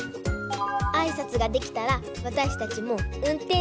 あいさつができたらわたしたちもうんてんしゅ